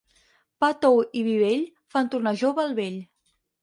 Pa tou i vi vell fan tornar jove el vell.